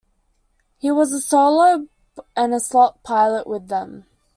He was a solo and a slot pilot with them.